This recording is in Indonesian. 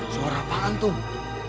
suara apaan tuh